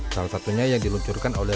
salah satunya yang diluncurkan oleh